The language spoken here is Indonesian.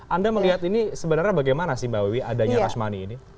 anda melihat ini sebenarnya bagaimana sih mbak wiwi adanya rush money ini